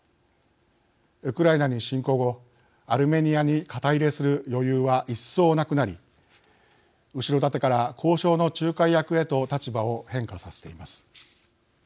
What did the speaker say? ウクライナに侵攻後アルメニアに肩入れする余裕は一層なくなり後ろ盾から交渉の仲介役へと立場を変化させています。